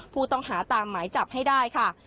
ผู้ต้องหาตามหมายจับให้ได้ค่ะ